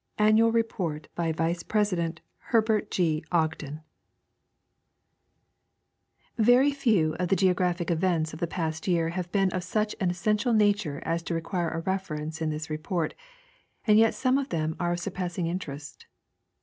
Annual Report by Vice President HERBERT G. OGDEN. (Presented to the Socleti/ January 28, 1891.) Very few of the geographic events of the past year have been of such an essential nature as to require a reference in this re port, and yet some of them are of surpassing interest.